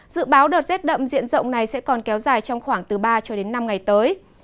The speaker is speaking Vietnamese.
dự báo đợt rét đậm diện rộng này sẽ còn kéo dài trong khoảng từ ba năm ngày tới